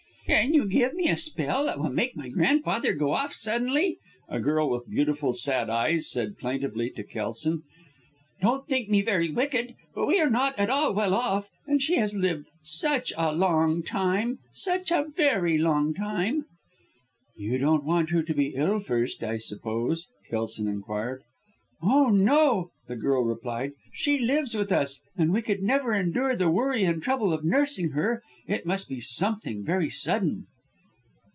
"Can you give me a spell that will make my grandmother go off suddenly?" a girl with beautiful, sad eyes said plaintively to Kelson. "Don't think me very wicked, but we are not at all well off and she has lived such a long time such a very long time." "You don't want her to be ill first, I suppose," Kelson inquired. "Oh, no!" the girl replied, "she lives with us and we could never endure the worry and trouble of nursing her. It must be something very sudden."